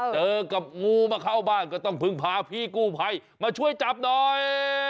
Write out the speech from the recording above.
เจอกับงูมาเข้าบ้านก็ต้องพึ่งพาพี่กู้ภัยมาช่วยจับหน่อย